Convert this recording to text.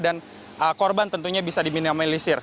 dan korban tentunya bisa diminimalisir